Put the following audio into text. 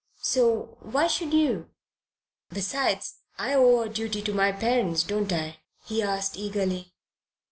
So why should you?" "Besides, I owe a duty to my parents, don't I?" he asked eagerly.